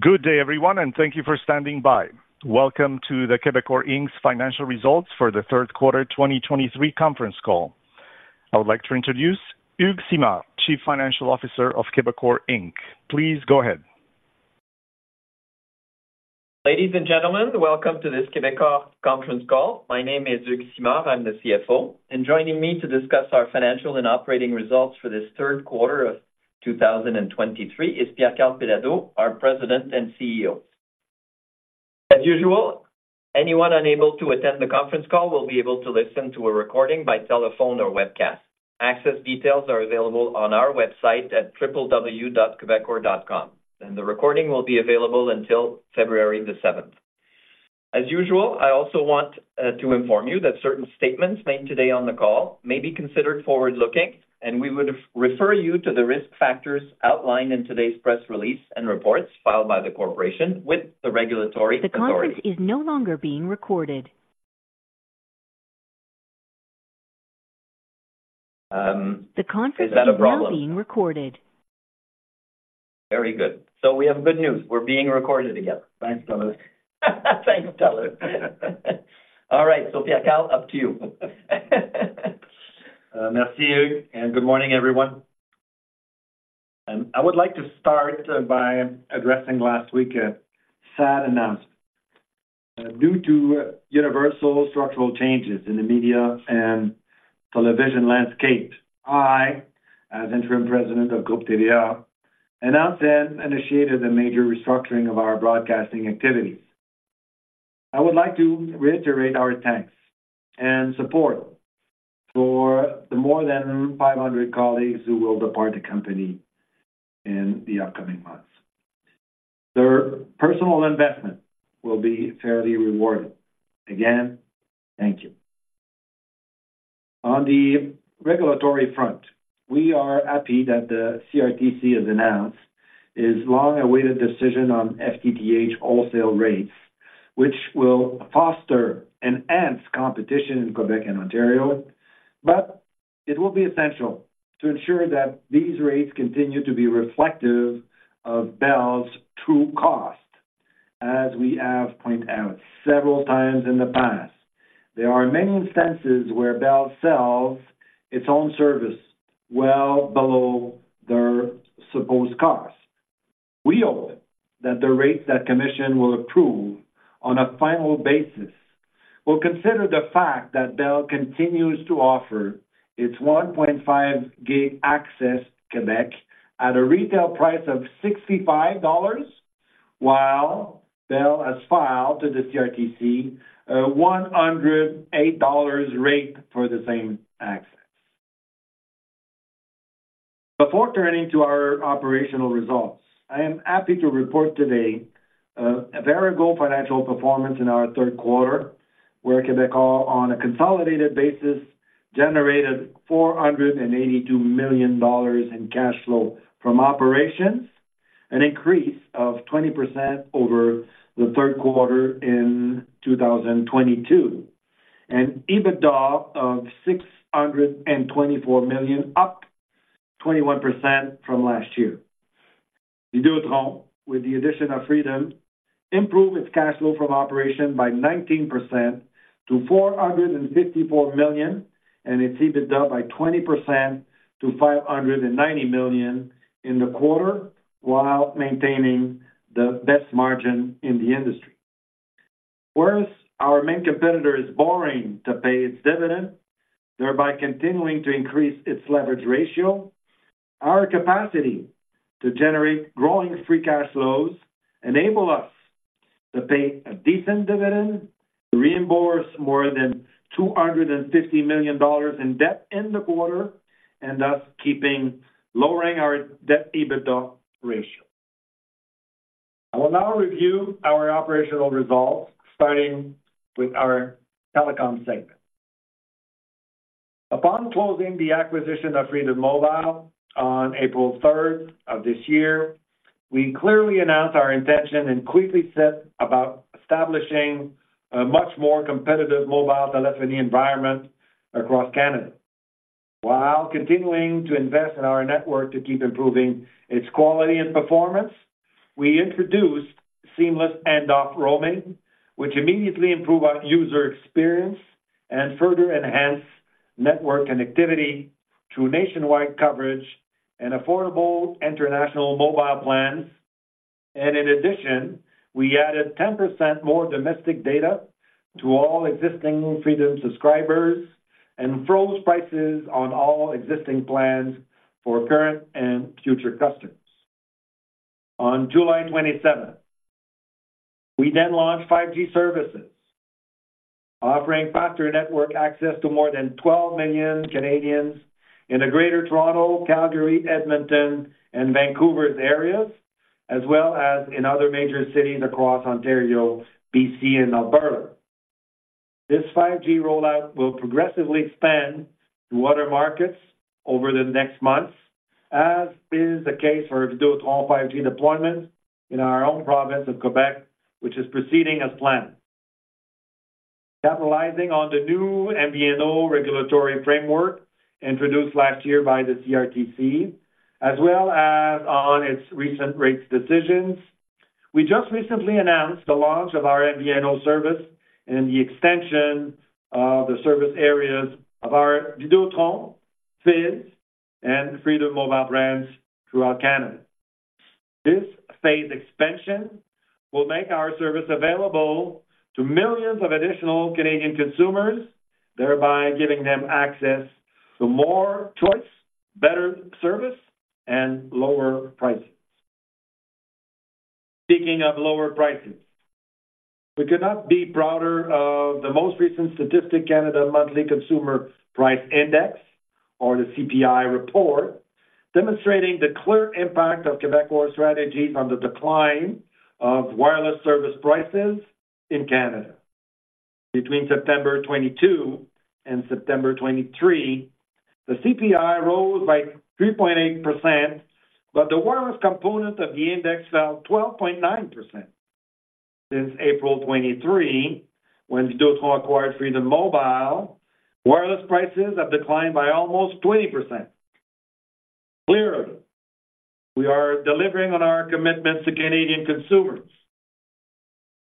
Good day, everyone, and thank you for standing by. Welcome to the Quebecor Inc.'s financial results for the third quarter 2023 conference call. I would like to introduce Hugues Simard, Chief Financial Officer of Quebecor Inc. Please go ahead. Ladies and gentlemen, welcome to this Quebecor conference call. My name is Hugues Simard, I'm the CFO, and joining me to discuss our financial and operating results for this third quarter of 2023 is Pierre Karl Péladeau, our President and CEO. As usual, anyone unable to attend the conference call will be able to listen to a recording by telephone or webcast. Access details are available on our website at www.quebecor.com, and the recording will be available until 7 February. As usual, I also want to inform you that certain statements made today on the call may be considered forward-looking, and we would refer you to the risk factors outlined in today's press release and reports filed by the corporation with the regulatory authority. The conference is no longer being recorded. Is that a problem? The conference is now being recorded. Very good. We have good news. We're being recorded again. Thanks, Taylor. Thanks, Taylor. All right, so Pierre-Karl, up to you. Merci Hugues, and good morning, everyone. I would like to start by addressing last week a sad announcement. Due to universal structural changes in the media and television landscape, I, as interim president of Groupe TVA, announced and initiated a major restructuring of our broadcasting activities. I would like to reiterate our thanks and support for the more than 500 colleagues who will depart the company in the upcoming months. Their personal investment will be fairly rewarded. Again, thank you. On the regulatory front, we are happy that the CRTC has announced its long-awaited decision on FTTH wholesale rates, which will foster enhanced competition in Quebec and Ontario. But it will be essential to ensure that these rates continue to be reflective of Bell's true cost, as we have pointed out several times in the past. There are many instances where Bell sells its own service well below their supposed cost. We hope that the rates that commission will approve on a final basis will consider the fact that Bell continues to offer its 1.5 gig access Quebec at a retail price of 65 dollars, while Bell has filed to the CRTC a 108 dollars rate for the same access. Before turning to our operational results, I am happy to report today, a very good financial performance in our third quarter, where Quebecor, on a consolidated basis, generated 482 million dollars in cash flow from operations, an increase of 20% over the third quarter in 2022, and EBITDA of 624 million, up 21% from last year. Videotron, with the addition of Freedom, improved its cash flow from operation by 19% to 454 million, and its EBITDA by 20% to 590 million in the quarter, while maintaining the best margin in the industry. Whereas our main competitor is borrowing to pay its dividend, thereby continuing to increase its leverage ratio, our capacity to generate growing free cash flows enable us to pay a decent dividend, to reimburse more than 250 million dollars in debt in the quarter, and thus keeping lowering our debt-EBITDA ratio. I will now review our operational results, starting with our telecom segment. Upon closing the acquisition of Freedom Mobile on April 3, 2023, we clearly announced our intention and quickly set about establishing a much more competitive mobile telephony environment across Canada. While continuing to invest in our network to keep improving its quality and performance, we introduced seamless handoff roaming, which immediately improve our user experience and further enhance network connectivity to nationwide coverage and affordable international mobile plans. In addition, we added 10% more domestic data to all existing Freedom subscribers and froze prices on all existing plans for current and future customers. On 27 July, we then launched 5G services, offering faster network access to more than 12 million Canadians in the Greater Toronto, Calgary, Edmonton, and Vancouver areas, as well as in other major cities across Ontario, BC, and Alberta. This 5G rollout will progressively expand to other markets over the next months, as is the case for Videotron's 5G deployment in our own province of Quebec, which is proceeding as planned. Capitalizing on the new MVNO regulatory framework introduced last year by the CRTC, as well as on its recent rates decisions, we just recently announced the launch of our MVNO service and the extension of the service areas of our Vidéotron, Fizz, and Freedom Mobile brands throughout Canada. This phase expansion will make our service available to millions of additional Canadian consumers, thereby giving them access to more choice, better service, and lower prices. Speaking of lower prices, we could not be prouder of the most recent Statistics Canada Monthly Consumer Price Index, or the CPI report, demonstrating the clear impact of Quebecor's strategy on the decline of wireless service prices in Canada. Between September 2022 and September 2023, the CPI rose by 3.8%, but the wireless component of the index fell 12.9%. Since April 2023, when Videotron acquired Freedom Mobile, wireless prices have declined by almost 20%. Clearly, we are delivering on our commitment to Canadian consumers.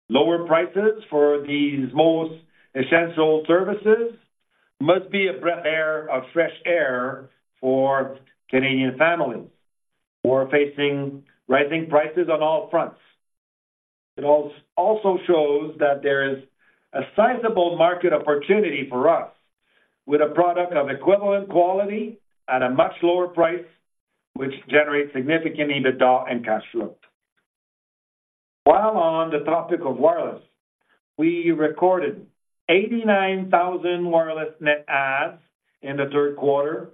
Lower prices for these most essential services must be a breath of air, of fresh air for Canadian families who are facing rising prices on all fronts. It also shows that there is a sizable market opportunity for us with a product of equivalent quality at a much lower price, which generates significant EBITDA and cash flow. While on the topic of wireless, we recorded 89,000 wireless net adds in the third quarter,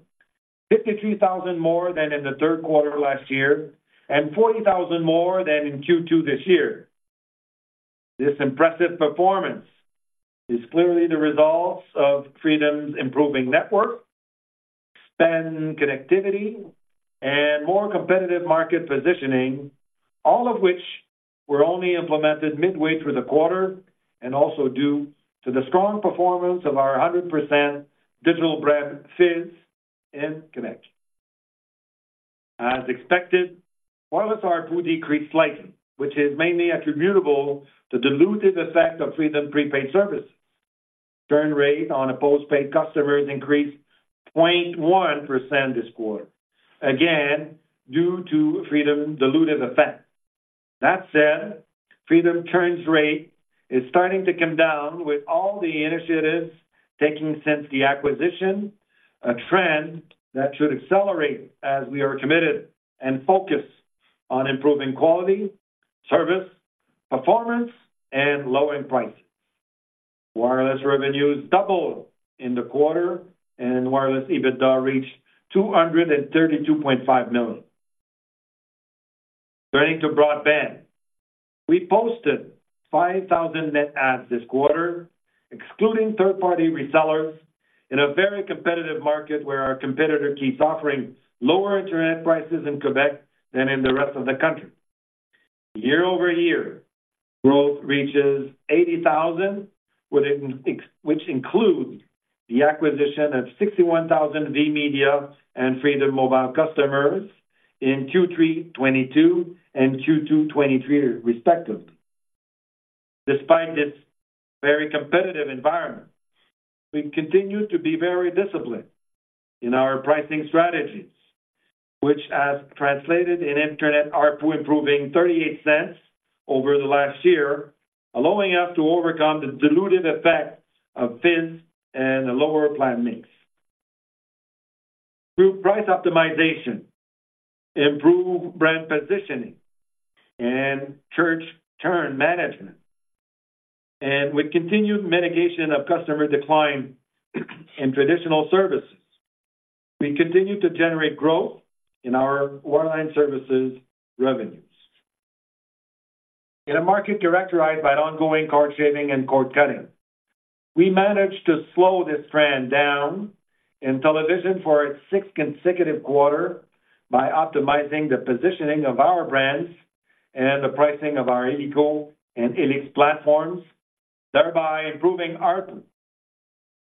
53,000 more than in the third quarter last year, and 40,000 more than in Q2 this year. This impressive performance is clearly the result of Freedom's improving network, expanded connectivity, and more competitive market positioning, all of which were only implemented midway through the quarter, and also due to the strong performance of our 100% digital brand, Fizz and VMedia. As expected, wireless ARPU decreased slightly, which is mainly attributable to dilutive effect of Freedom prepaid service. Churn rate on postpaid customers increased 0.1% this quarter, again, due to Freedom dilutive effect. That said, Freedom's churn rate is starting to come down with all the initiatives taken since the acquisition, a trend that should accelerate as we are committed and focused on improving quality, service, performance, and lowering prices. Wireless revenues doubled in the quarter and wireless EBITDA reached 232.5 million. Turning to broadband. We posted 5,000 net adds this quarter, excluding third-party resellers, in a very competitive market where our competitor keeps offering lower internet prices in Quebec than in the rest of the country. Year over year, growth reaches 80,000, within, which includes the acquisition of 61,000 VMedia and Freedom Mobile customers in Q3 2022 and Q2 2023, respectively. Despite this very competitive environment, we continue to be very disciplined in our pricing strategies, which has translated in internet ARPU, improving 0.38 over the last year, allowing us to overcome the dilutive effect of Fizz and a lower plan mix. Through price optimization, improved brand positioning, and churn, churn management, and with continued mitigation of customer decline in traditional services, we continue to generate growth in our wireline services revenues. In a market characterized by ongoing cord-shaving and cord-cutting, we managed to slow this trend down in television for a sixth consecutive quarter by optimizing the positioning of our brands and the pricing of our illico and Helix platforms, thereby improving ARPU.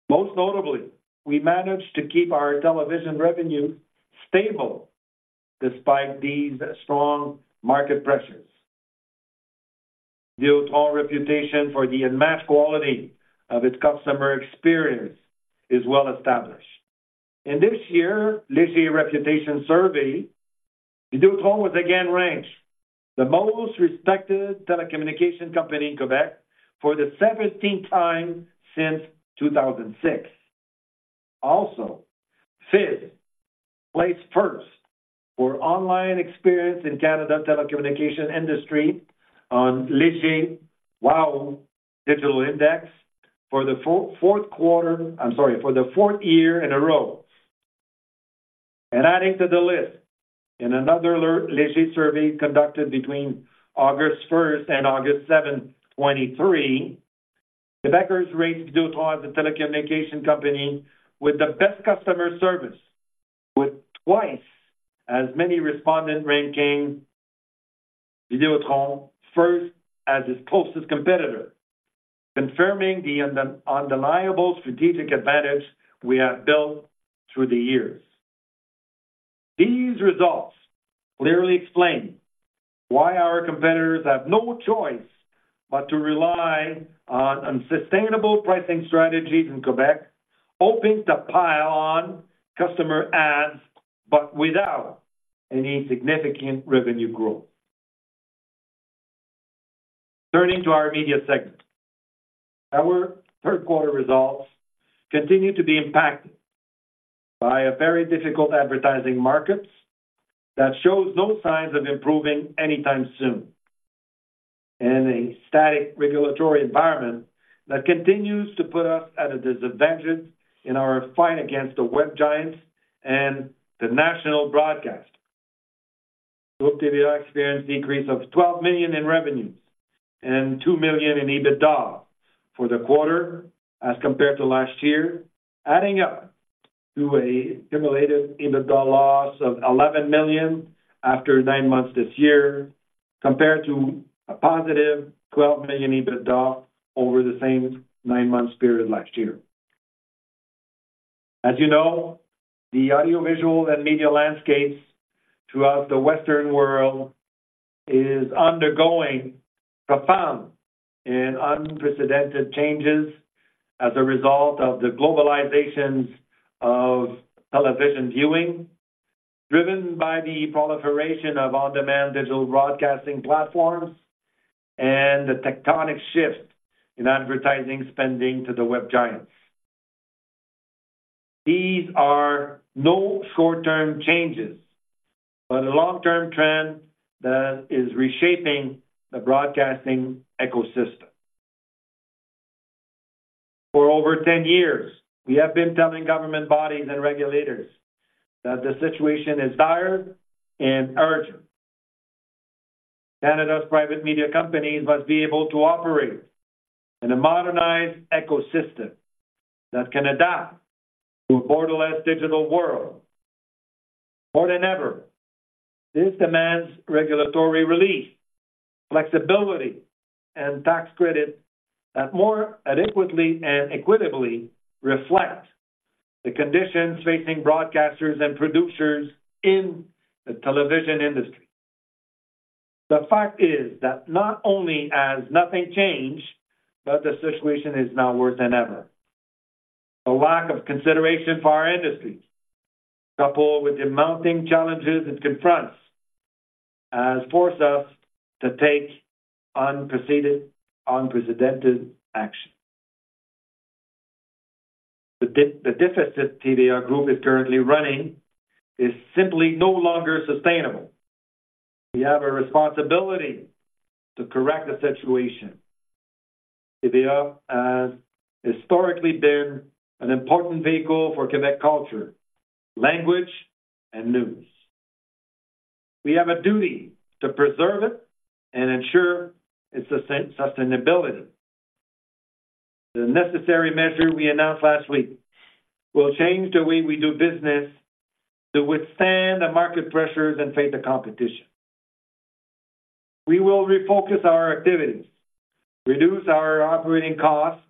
Most notably, we managed to keep our television revenues stable despite these strong market pressures. Videotron's reputation for the unmatched quality of its customer experience is well established. In this year's Léger Reputation Survey, Videotron was again ranked the most respected telecommunication company in Quebec for the seventeenth time since 2006. Also, Fizz placed first for online experience in Canadian telecommunications industry on Léger WOW Digital Index for the fourth year in a row. Adding to the list, in another Léger survey conducted between 1 August and 7 August 2023, Quebecers rate Videotron as the telecommunications company with the best customer service, with twice as many respondents ranking Videotron first as its closest competitor, confirming the undeniable strategic advantage we have built through the years. These results clearly explain why our competitors have no choice but to rely on unsustainable pricing strategies in Quebec, hoping to pile on customer adds, but without any significant revenue growth. Turning to our media segment. Our third quarter results continue to be impacted by a very difficult advertising market that shows no signs of improving anytime soon, and a static regulatory environment that continues to put us at a disadvantage in our fight against the web giants and the national broadcast. Groupe TVA experienced a decrease of 12 million in revenues and two million in EBITDA for the quarter as compared to last year, adding up to a cumulative EBITDA loss of 11 million after nine months this year, compared to a positive 12 million EBITDA over the same nine-month period last year. As you know, the audiovisual and media landscapes throughout the Western world is undergoing profound and unprecedented changes as a result of the globalization of television viewing, driven by the proliferation of on-demand digital broadcasting platforms and the tectonic shift in advertising spending to the web giants. These are no short-term changes, but a long-term trend that is reshaping the broadcasting ecosystem. For over 10 years, we have been telling government bodies and regulators that the situation is dire and urgent. Canada's private media companies must be able to operate in a modernized ecosystem that can adapt to a borderless digital world. More than ever, this demands regulatory relief, flexibility, and tax credits that more adequately and equitably reflect the conditions facing broadcasters and producers in the television industry. The fact is that not only has nothing changed, but the situation is now worse than ever. The lack of consideration for our industry, coupled with the mounting challenges it confronts, has forced us to take unprecedented action. The deficit the TVA Group is currently running is simply no longer sustainable. We have a responsibility to correct the situation. TVA has historically been an important vehicle for Quebec culture, language and news. We have a duty to preserve it and ensure its sustainability. The necessary measure we announced last week will change the way we do business to withstand the market pressures and face the competition. We will refocus our activities, reduce our operating costs,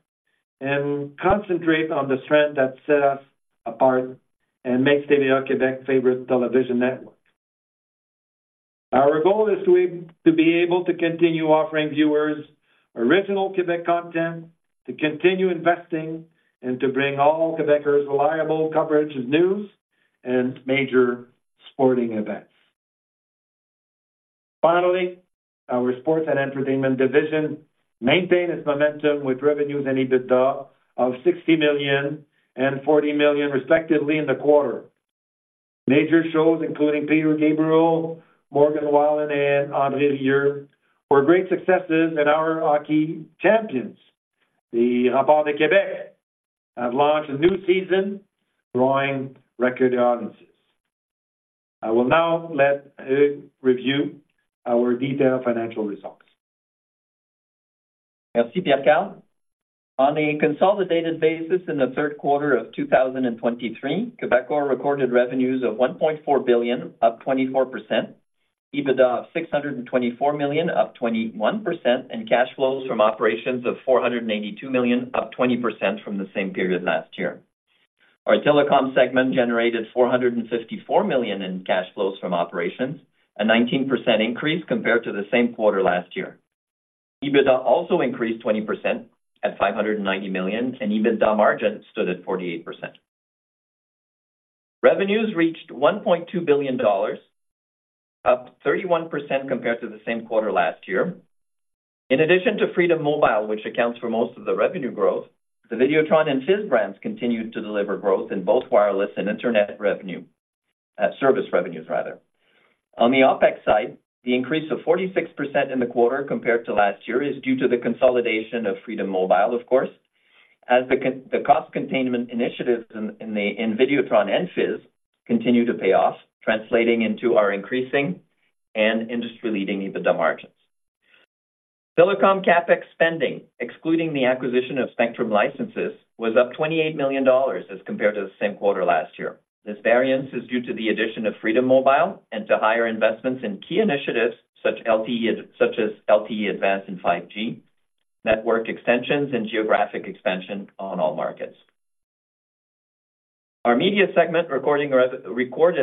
and concentrate on the strength that set us apart and make TVA Quebec's favorite television network. Our goal is to be able to continue offering viewers original Quebec content, to continue investing, and to bring all Quebeckers reliable coverage of news and major sporting events. Finally, our sports and entertainment division maintained its momentum with revenues and EBITDA of 60 million and 40 million, respectively, in the quarter. Major shows including Peter Gabriel, Morgan Wallen, and André Rieu were great successes, and our hockey champions, the Remparts de Québec, have launched a new season, drawing record audiences. I will now let Hugues review our detailed financial results. Merci, Pierre Karl. On a consolidated basis, in the third quarter of 2023, Quebecor recorded revenues of 1.4 billion, up 24%, EBITDA of 624 million, up 21%, and cash flows from operations of 482 million, up 20% from the same period last year. Our telecom segment generated 454 million in cash flows from operations, a 19% increase compared to the same quarter last year. EBITDA also increased 20% at 590 million, and EBITDA margin stood at 48%. Revenues reached 1.2 billion dollars, up 31% compared to the same quarter last year. In addition to Freedom Mobile, which accounts for most of the revenue growth, the Videotron and Fizz brands continued to deliver growth in both wireless and internet revenue, service revenues, rather. On the OpEx side, the increase of 46% in the quarter compared to last year is due to the consolidation of Freedom Mobile, of course, as the cost containment initiatives in Videotron and Fizz continue to pay off, translating into our increasing and industry-leading EBITDA margin. Telecom CapEx spending, excluding the acquisition of spectrum licenses, was up 28 million dollars as compared to the same quarter last year. This variance is due to the addition of Freedom Mobile and to higher investments in key initiatives, such as LTE Advanced and 5G, network extensions and geographic expansion on all markets. Our media segment recorded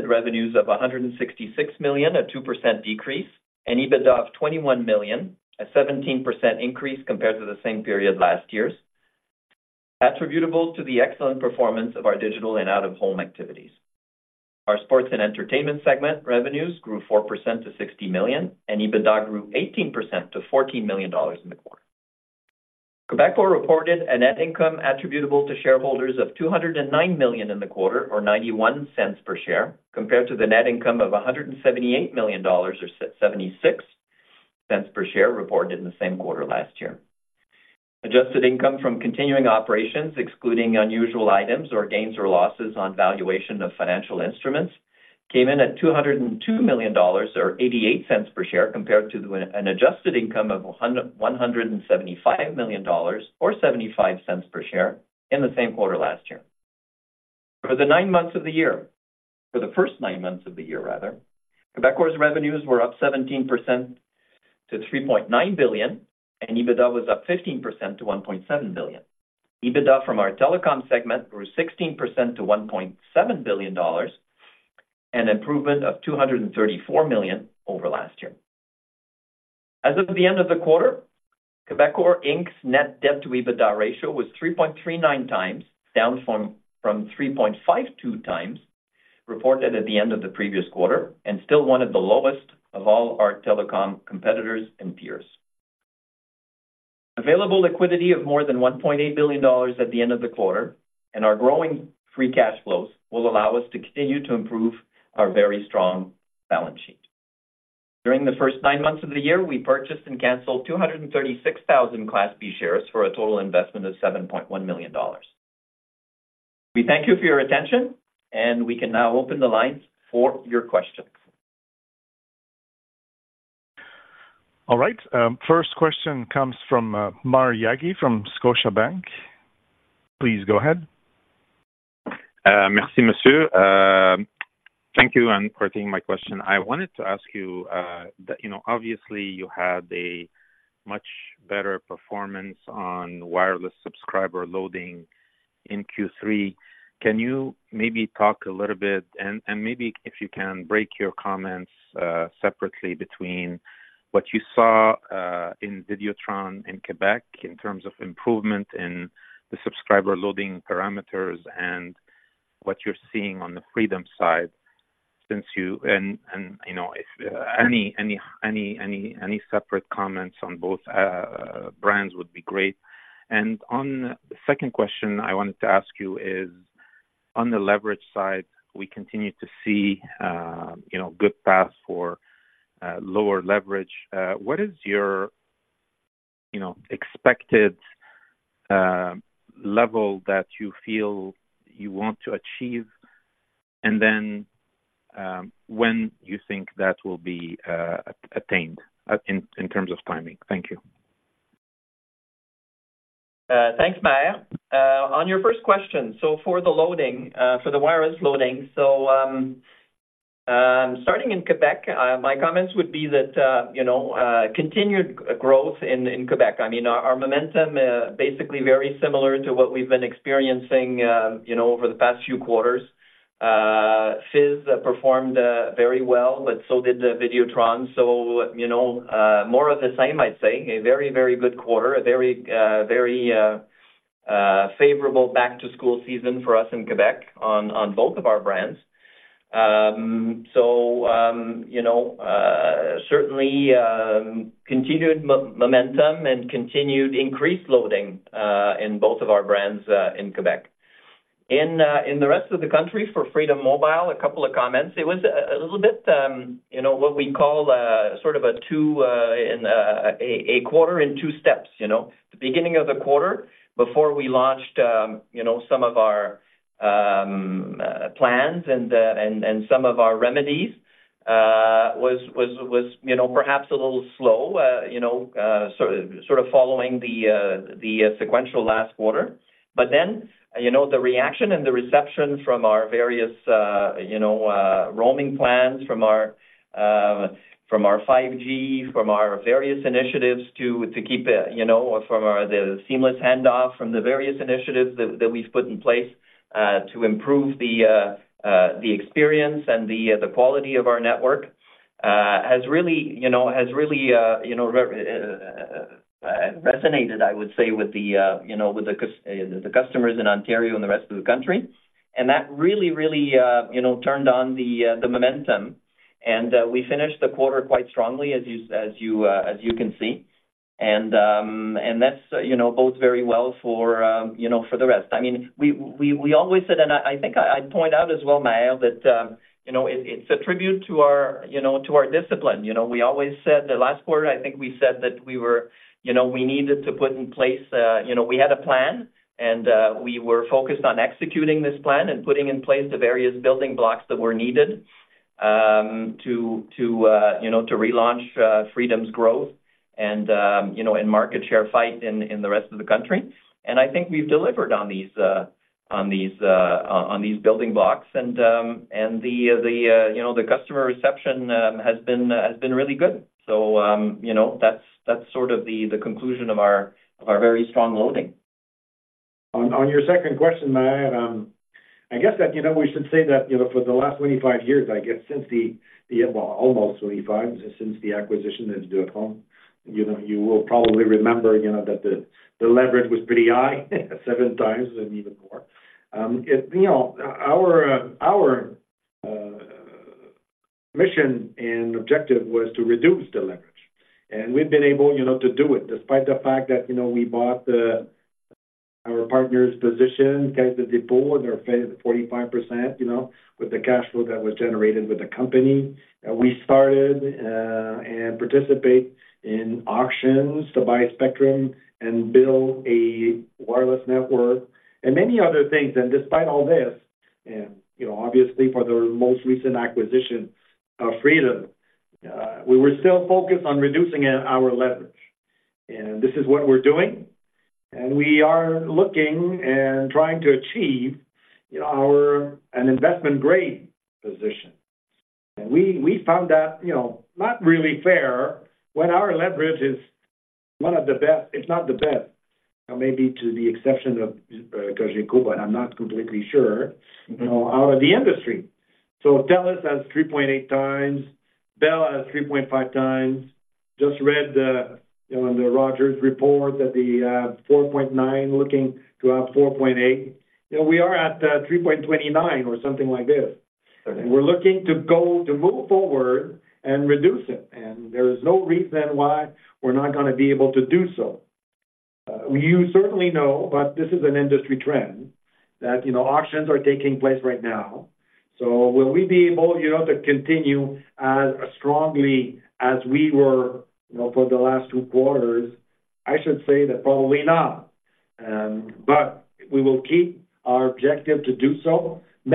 revenues of 166 million, a 2% decrease, and EBITDA of 21 million, a 17% increase compared to the same period last year's, attributable to the excellent performance of our digital and out-of-home activities. Our sports and entertainment segment revenues grew 4% to 60 million, and EBITDA grew 18% to 14 million dollars in the quarter. Quebecor reported a net income attributable to shareholders of 209 million in the quarter, or 91 cents per share, compared to the net income of 178 million dollars or 76 cents per share reported in the same quarter last year. Adjusted income from continuing operations, excluding unusual items or gains or losses on valuation of financial instruments, came in at 202 million dollars or 0.88 per share, compared to an adjusted income of 175 million dollars or 0.75 per share in the same quarter last year. For the nine months of the year, for the first nine months of the year, rather, Quebecor's revenues were up 17% to 3.9 billion, and EBITDA was up 15% to 1.7 billion. EBITDA from our telecom segment grew 16% to 1.7 billion dollars, an improvement of 234 million over last year. As of the end of the quarter, Quebecor Inc's net debt to EBITDA ratio was 3.39 times, down from 3.52 times, reported at the end of the previous quarter, and still one of the lowest of all our telecom competitors and peers. Available liquidity of more than 1.8 billion dollars at the end of the quarter, and our growing free cash flows will allow us to continue to improve our very strong balance sheet. During the first nine months of the year, we purchased and canceled 236,000 Class B shares for a total investment of 7.1 million dollars. We thank you for your attention, and we can now open the lines for your questions. All right, first question comes from, Maher Yaghi from Scotiabank. Please go ahead. Merci, monsieur. Thank you and for taking my question. I wanted to ask you that, you know, obviously you had a much better performance on wireless subscriber loading in Q3. Can you maybe talk a little bit and maybe if you can break your comments separately between what you saw in Videotron in Quebec in terms of improvement in the subscriber loading parameters and what you're seeing on the Freedom side since you. You know, if any separate comments on both brands would be great. An the second question I wanted to ask you is, on the leverage side, we continue to see, you know, good paths for lower leverage. What is your, you know, expected level that you feel you want to achieve, and then, when you think that will be attained, in terms of timing? Thank you. Thanks, Maher. On your first question, so for the loading, for the wireless loading, so, starting in Quebec, my comments would be that, you know, continued growth in Quebec. Our momentum, basically very similar to what we've been experiencing, you know, over the past few quarters. Fizz performed very well, but so did Videotron. You know, more of the same, I'd say. A very, very good quarter. A very, very favorable back-to-school season for us in Quebec on both of our brands. You know, certainly continued momentum and continued increased loading in both of our brands in Quebec. In the rest of the country, for Freedom Mobile, a couple of comments. It was a little bit, you know, what we call sort of a two in a quarter in two steps, you know? The beginning of the quarter, before we launched, you know, some of our plans and some of our remedies, was, you know, perhaps a little slow, you know, sort of following the sequential last quarter. You know, the reaction and the reception from our various, you know, roaming plans, from our, from our 5G, from our various initiatives to, to keep a, you know, from the seamless handoff from the various initiatives that, that we've put in place, to improve the, the experience and the, the quality of our network, has really, you know, has really, you know, resonated, I would say, with the, you know, with the customers in Ontario and the rest of the country. What really, really, you know, turned on the, the momentum, and, we finished the quarter quite strongly, as you, as you, as you can see. That's, you know, bodes very well for, you know, for the rest. We always said, and I think I point out as well, Maher, that, you know, it's a tribute to our, you know, to our discipline. You know, we always said. The last quarter, I think we said that we were, you know, we needed to put in place, you know, we had a plan, and, we were focused on executing this plan and putting in place the various building blocks that were needed. To you know, to relaunch Freedom's growth and, you know, and market share fight in the rest of the country. And I think we've delivered on these building blocks. The you know, the customer reception has been really good. You know, that's sort of the conclusion of our very strong loading. On your second question, Maya, I guess that you know, we should say that you know, for the last 25 years, I guess since the... Well, almost 25, since the acquisition into at home, you know, you will probably remember, you know, that the leverage was pretty high, 7x and even more. You know, our mission and objective was to reduce the leverage, and we've been able, you know, to do it, despite the fact that, you know, we bought our partner's position, Caisse de dépôt, or paid 45%, you know, with the cash flow that was generated with the company. We started and participate in auctions to buy spectrum and build a wireless network and many other things. Despite all this and, you know, obviously, for the most recent acquisition of Freedom, we were still focused on reducing our leverage. And this is what we're doing, and we are looking and trying to achieve, you know, our... an investment grade position. And we found that, you know, not really fair when our leverage is one of the best. It's not the best, maybe to the exception of Cogeco, but I'm not completely sure, you know, out of the industry. Telus has 3.8x, Bell has 3.5x. Just read the, you know, the Rogers report that the 4.9x looking to have 4.8x. You know, we are at 3.29x or something like this. Okay. We're looking to go, to move forward and reduce it, and there is no reason why we're not gonna be able to do so. You certainly know, but this is an industry trend that, you know, auctions are taking place right now. W ill we be able, you know, to continue as strongly as we were, you know, for the last two quarters? I should say that probably not. But we will keep our objective to do so,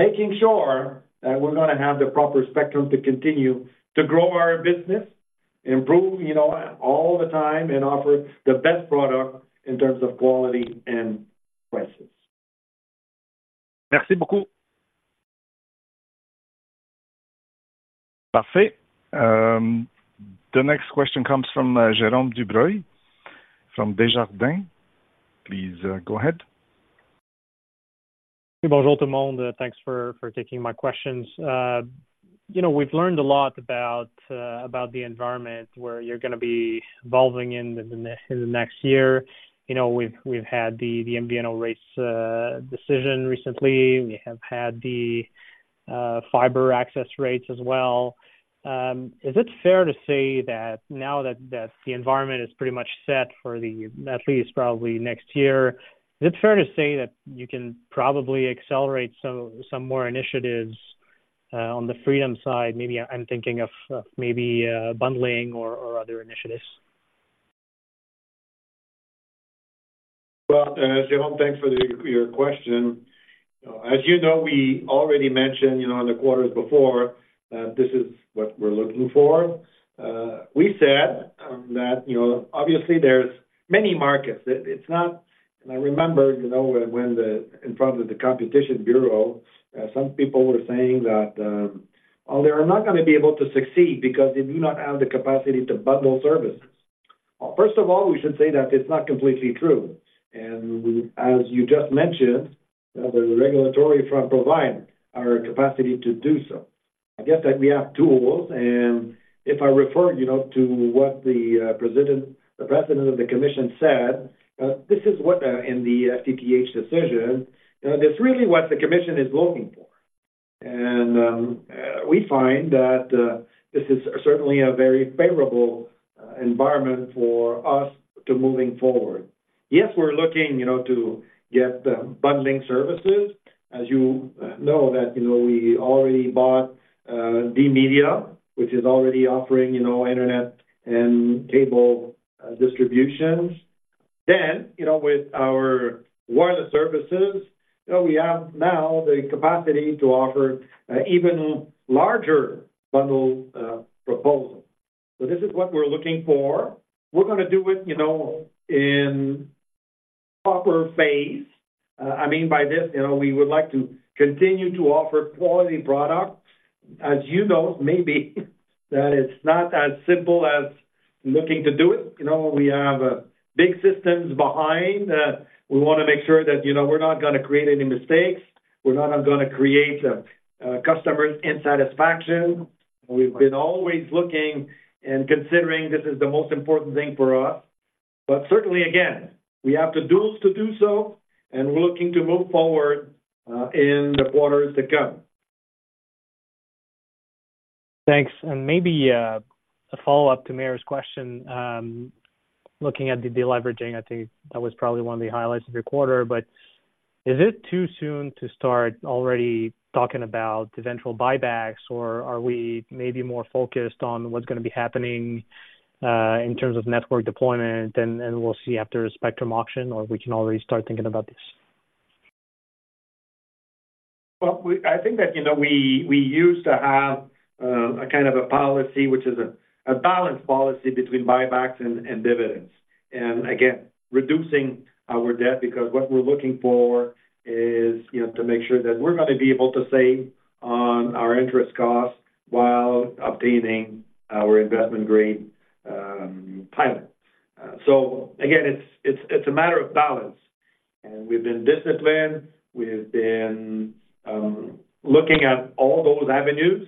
making sure that we're gonna have the proper spectrum to continue to grow our business, improve, you know, all the time, and offer the best product in terms of quality and prices. Merci beaucoup. Parfait. The next question comes from Jerome Dubreuil, from Desjardins. Please, go ahead. Bonjour, tout le monde. Thanks for taking my questions. You know, we've learned a lot about the environment where you're gonna be evolving in the next year. You know, we've had the MVNO rates decision recently. We have had the fiber access rates as well. Is it fair to say that now that the environment is pretty much set for the at least probably next year, is it fair to say that you can probably accelerate some more initiatives on the Freedom side? Maybe I'm thinking of maybe bundling or other initiatives. Well, Jerome, thanks for your question. As you know, we already mentioned, you know, in the quarters before, this is what we're looking for. We said that, you know, obviously there's many markets. And I remember, you know, when the, in front of the Competition Bureau, some people were saying that, "Well, they are not gonna be able to succeed because they do not have the capacity to bundle services." First of all, we should say that it's not completely true, and as you just mentioned, the regulatory front provide our capacity to do so. I guess that we have tools, and if I refer, you know, to what the president of the commission said, this is what in the CRTC decision, you know, that's really what the commission is looking for. We find that this is certainly a very favorable environment for us to moving forward. Yes, we're looking, you know, to get the bundling services. As you know, that you know, we already bought VMedia, which is already offering, you know, internet and cable distributions. You know, with our wireless services, we have now the capacity to offer even larger bundle proposal. This is what we're looking for. We're gonna do it, you know, in proper phase. I mean by this, you know, we would like to continue to offer quality products. As you know, maybe, that it's not as simple as looking to do it. You know, we have big systems behind. We want to make sure that, you know, we're not gonna create any mistakes, we're not gonna create customers' dissatisfaction. We've been always looking and considering this is the most important thing for us. But certainly, again, we have the tools to do so, and we're looking to move forward in the quarters to come. Thanks. And maybe, a follow-up to Maher's question. Looking at the deleveraging, I think that was probably one of the highlights of your quarter, but is it too soon to start already talking about the eventual buybacks, or are we maybe more focused on what's gonna be happening, in terms of network deployment, and, and we'll see after a spectrum auction, or we can already start thinking about this? Well, I think that, you know, we used to have a kind of a policy, which is a balanced policy between buybacks and dividends. Again, reducing our debt, because what we're looking for is, you know, to make sure that we're gonna be able to save on our interest costs while obtaining our investment grade profile. So again, it's a matter of balance, and we've been disciplined, looking at all those avenues,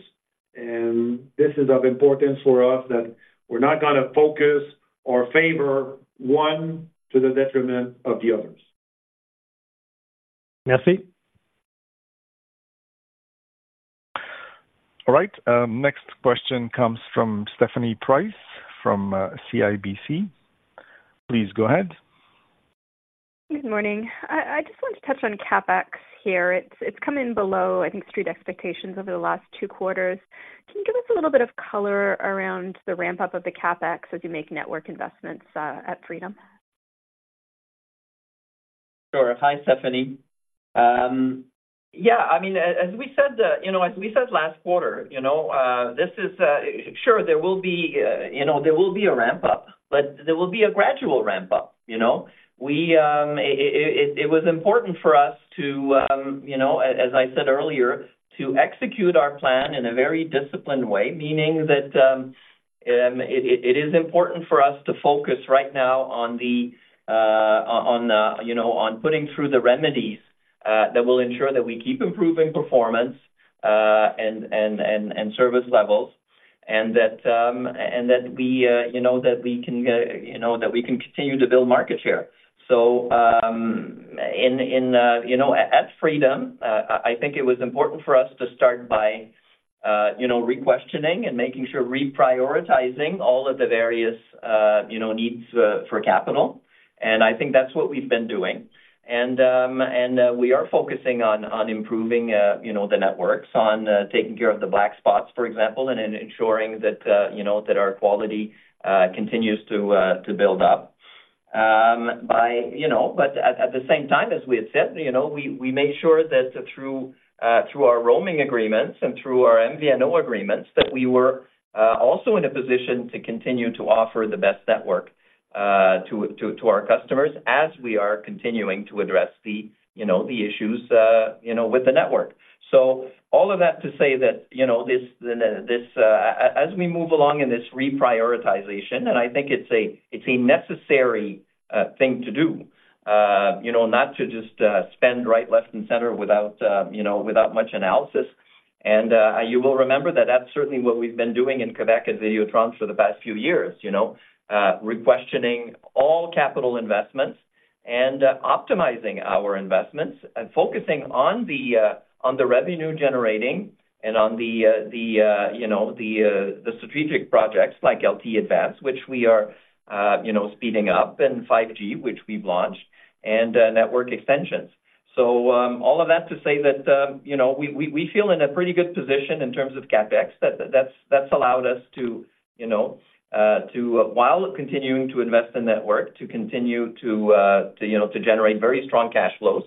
and this is of importance for us that we're not gonna focus or favor one to the detriment of the others. Merci. All right, next question comes from Stephanie Price, from CIBC. Please go ahead. Good morning. I just want to touch on CapEx here. It's come in below, I think, street expectations over the last two quarters. Can you give us a little bit of color around the ramp-up of the CapEx as you make network investments at Freedom? Sure. Hi, Stephanie. As we said, you know, as we said last quarter, you know, this is. Sure, there will be, you know, there will be a ramp-up, but there will be a gradual ramp-up, you know. It was important for us to, you know, as I said earlier, to execute our plan in a very disciplined way, meaning that it is important for us to focus right now on the, you know, on putting through the remedies that will ensure that we keep improving performance and service levels. That we, you know, that we can continue to build market share. In you know, at Freedom, I think it was important for us to start by you know, re-questioning and making sure reprioritizing all of the various you know, needs for capital. I think that's what we've been doing. We are focusing on improving you know, the networks, on taking care of the black spots, for example, and then ensuring that you know, that our quality continues to build up. At the same time, as we had said, you know, we made sure that through our roaming agreements and through our MVNO agreements, that we were also in a position to continue to offer the best network to our customers, as we are continuing to address the you know the issues you know with the network. Soll of that to say that, you know, this as we move along in this reprioritization, and I think it's a necessary thing to do, you know, not to just spend right, left, and center without you know without much analysis. And you will remember that that's certainly what we've been doing in Quebec at Videotron for the past few years, you know? Reassessing all capital investments and optimizing our investments and focusing on the revenue generating and on the strategic projects like LTE Advanced, which we are speeding up, and 5G, which we've launched, and network extensions. All of that to say that, you know, we feel in a pretty good position in terms of CapEx. That's allowed us to, you know, while continuing to invest in network, to continue to generate very strong cash flows,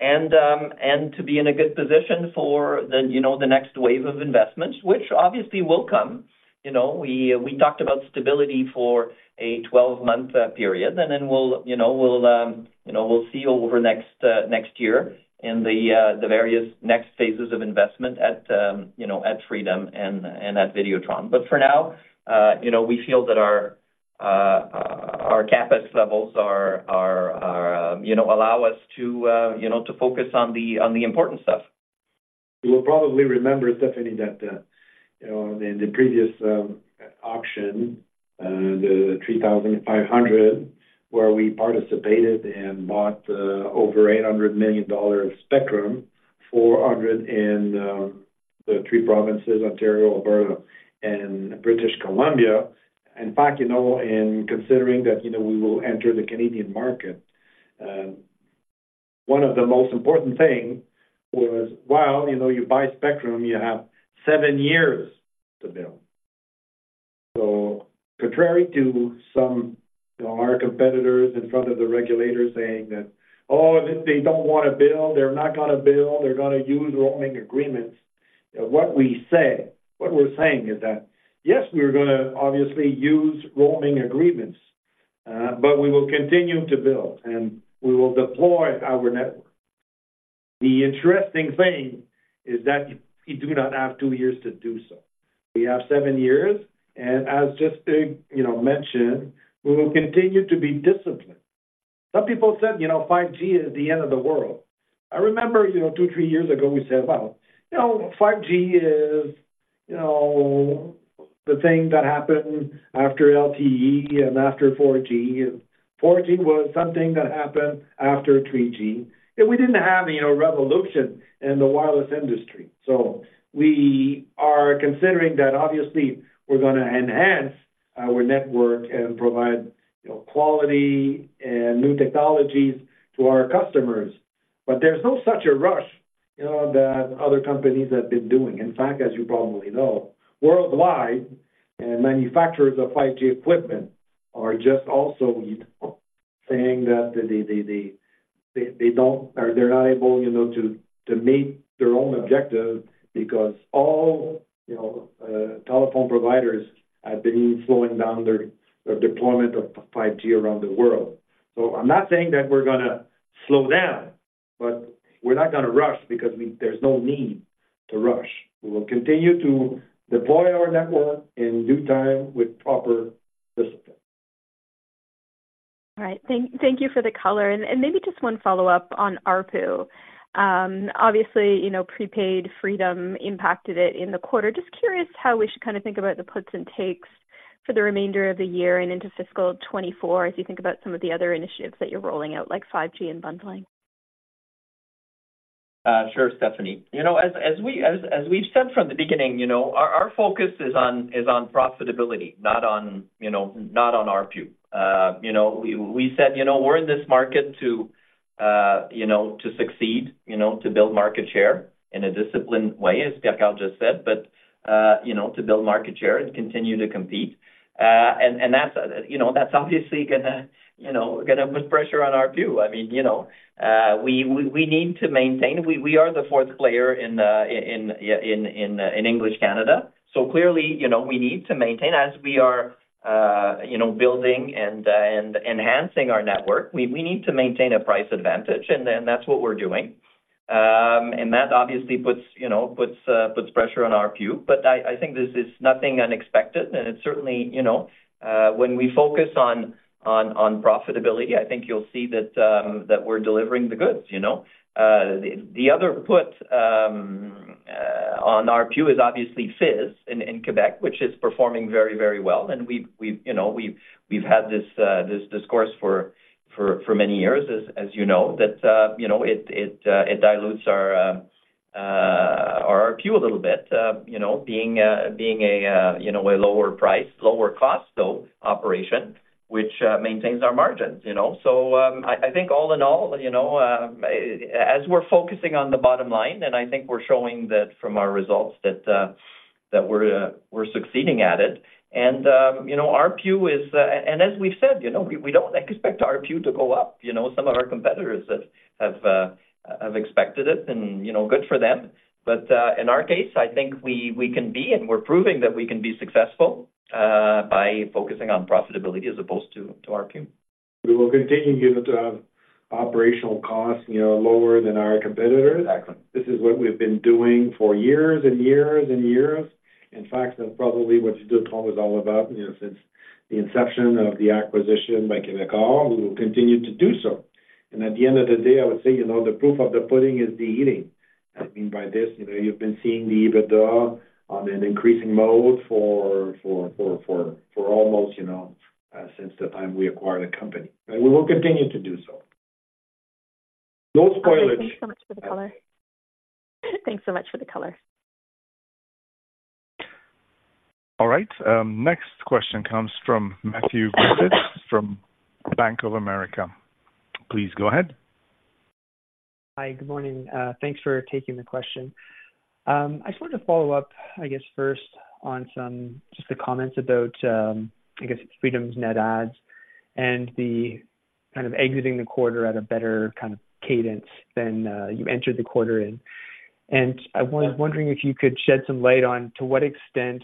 and to be in a good position for the next wave of investments, which obviously will come. You know, we talked about stability for a 12-month period, and then we'll, you know, we'll see over next year in the various next phases of investment at, you know, at Freedom and at Videotron. But for now, you know, we feel that our CapEx levels are, you know, allow us to, you know, to focus on the important stuff. You will probably remember, Stephanie, that, you know, in the previous auction, the 3,500, where we participated and bought, over 800 million dollar of spectrum, 400 in the three provinces, Ontario, Alberta, and British Columbia. In fact, you know, in considering that, you know, we will enter the Canadian market, one of the most important thing was, while, you know, you buy spectrum, you have seven years to build. Contrary to some, you know, our competitors in front of the regulators saying that, "Oh, they, they don't want to build. They're not gonna build. They're gonna use roaming agreements." What we say, what we're saying is that, yes, we're gonna obviously use roaming agreements, but we will continue to build, and we will deploy our network. The interesting thing is that you do not have two years to do so. We have seven years, and as just, you know, mentioned, we will continue to be disciplined. Some people said, you know, "5G is the end of the world." I remember, you know, two, three years ago, we said, "Well, you know, 5G is, you know, the thing that happened after LTE and after 4G, and 4G was something that happened after 3G." We didn't have, you know, revolution in the wireless industry. We are considering that obviously, we're gonna enhance our network and provide, you know, quality and new technologies to our customers. But there's no such a rush... you know, that other companies have been doing. In fact, as you probably know, worldwide, manufacturers of 5G equipment are just also saying that they don't or they're not able, you know, to meet their own objectives because all, you know, telephone providers have been slowing down their deployment of 5G around the world. I'm not saying that we're gonna slow down, but we're not gonna rush because we. There's no need to rush. We will continue to deploy our network in due time with proper discipline. All right. Thank you for the color. Maybe just one follow-up on ARPU. Obviously, you know, prepaid Freedom impacted it in the quarter. Just curious how we should kinda think about the puts and takes for the remainder of the year and into fiscal 2024, as you think about some of the other initiatives that you're rolling out, like 5G and bundling. Sure, Stephanie. You know, as we've said from the beginning, you know, our focus is on profitability, not on, you know, not on ARPU. You know, we said, you know, we're in this market to, you know, to succeed, you know, to build market share in a disciplined way, as Pierre Karl just said, but, you know, to build market share and continue to compete. That's, you know, that's obviously gonna, you know, gonna put pressure on ARPU. You know, we need to maintain. We are the fourth player in English Canada. Clearly, you know, we need to maintain as we are, you know, building and enhancing our network. We need to maintain a price advantage, and then that's what we're doing. That obviously puts, you know, puts pressure on ARPU, but I think this is nothing unexpected, and it certainly, you know, when we focus on profitability, I think you'll see that we're delivering the goods, you know. The other put on ARPU is obviously Fizz in Quebec, which is performing very, very well. And we've, you know, we've had this discourse for many years, as you know, that you know, it dilutes our ARPU a little bit, you know, being a lower price, lower cost, so operation, which maintains our margins, you know. I think all in all, you know, as we're focusing on the bottom line, and I think we're showing that from our results, that we're succeeding at it. You know, ARPU is and as we've said, you know, we don't expect ARPU to go up. You know, some of our competitors have expected it and, you know, good for them. In our case, I think we can be, and we're proving that we can be successful by focusing on profitability as opposed to ARPU. We will continue to have operational costs, you know, lower than our competitors. Exactly. This is what we've been doing for years and years and years. In fact, that's probably what Quebecor is all about, you know, since the inception of the acquisition by Quebecor, we will continue to do so. At the end of the day, I would say, you know, the proof of the pudding is the eating. By this, you know, you've been seeing the EBITDA on an increasing mode for almost, you know, since the time we acquired the company. And we will continue to do so. No spoilage. Thanks so much for the color. Thanks so much for the color. All right, next question comes from Matthew Griffiths, from Bank of America. Please go ahead. Hi, good morning. Thanks for taking the question. I just wanted to follow up, I guess, first on some... just the comments about, I guess it's Freedom's net adds and the kind of exiting the quarter at a better kind of cadence than you entered the quarter in. I was wondering if you could shed some light on to what extent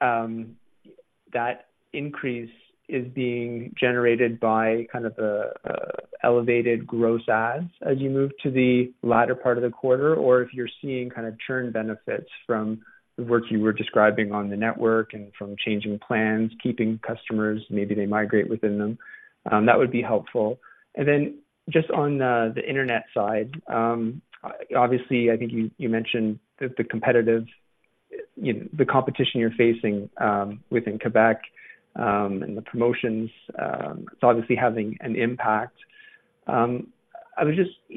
that increase is being generated by kind of the elevated gross adds as you move to the latter part of the quarter, or if you're seeing kind of churn benefits from the work you were describing on the network and from changing plans, keeping customers, maybe they migrate within them? That would be helpful. Just on the internet side, obviously, I think you mentioned the competitive, you know, the competition you're facing within Quebec, and the promotions, it's obviously having an impact. You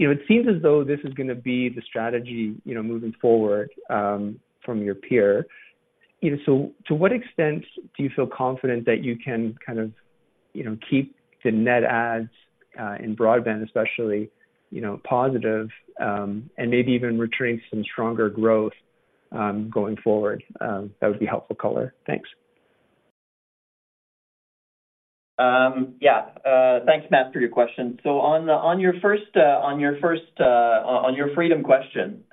know, it seems as though this is gonna be the strategy, you know, moving forward from your peer. You know, so to what extent do you feel confident that you can kind of, you know, keep the net adds in broadband, especially, you know, positive, and maybe even retrieve some stronger growth going forward? That would be helpful color. Thanks. Thanks, Matt, for your question. On your first Freedom question,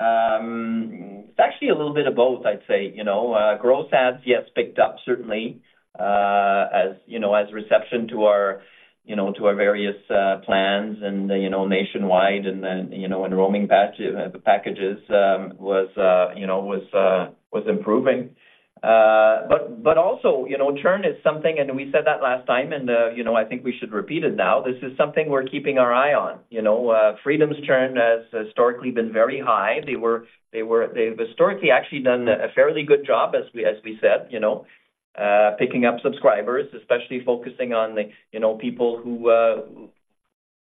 it's actually a little bit of both, I'd say. You know, growth adds, yes, picked up certainly, as you know, as reception to our various plans and, you know, nationwide, and then, you know, and roaming pack, the packages, was improving. ou know, churn is something, and we said that last time, and, you know, I think we should repeat it now. This is something we're keeping our eye on. You know, Freedom's churn has historically been very high. They were. They've historically actually done a fairly good job, as we said, you know, picking up subscribers, especially focusing on the, you know, people who